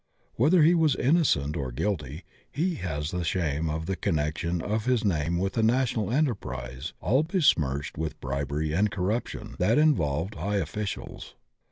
Whether he was innocent or guilty, he has the shame of the connection of his name with a national enterprise all besmirched with bribery and corruption that involved high officials.